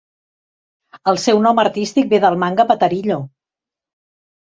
El seu nom artístic ve del manga Patarillo!